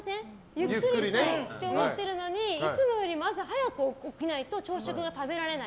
ゆっくりしたいと思ってるのにいつもよりも朝早く起きないと朝食が食べられない。